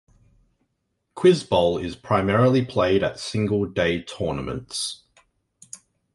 Quiz bowl is primarily played at single-day tournaments.